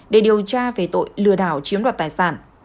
để điều tra về tội lừa đảo chiếm đoạt tài sản